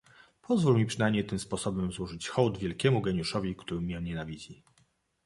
"Pozwól mi przynajmniej tym sposobem złożyć hołd wielkiemu geniuszowi, który mię nienawidzi."